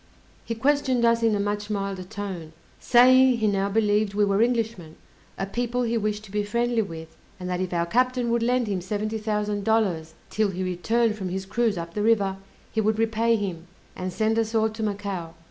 He questioned us in a much milder tone, saying, he now believed we were Englishmen, a people he wished to be friendly with; and that if our captain would lend him seventy thousand dollars 'till he returned from his cruise up the river, he would repay him, and send us all to Macao.